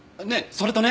それとね